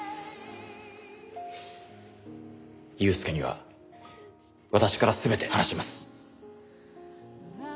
祐介には私から全て話します。